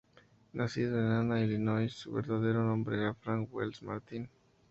Nacido en Anna, Illinois, su verdadero nombre era Frank Wells Martin.